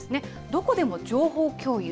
どこでも情報共有。